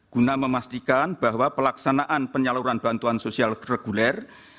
guna memastikan bahwa pelaksanaan penyaluran bantuan sosial reguler